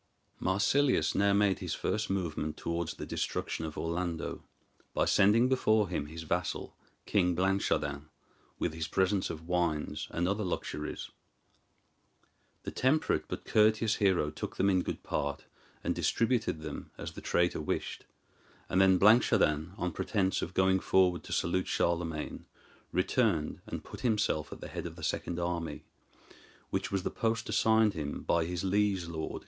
Marsilius now made his first movement towards the destruction of Orlando, by sending before him his vassal, King Blanchardin, with his presents of wines and other luxuries. The temperate but courteous hero took them in good part, and distributed them as the traitor wished; and then Blanchardin, on pretence of going forward to salute Charlemagne, returned, and put himself at the head of the second army, which was the post assigned him by his liege lord.